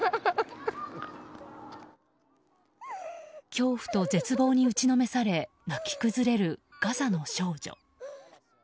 恐怖と絶望に打ちのめされ泣き崩れる、ガザの少女。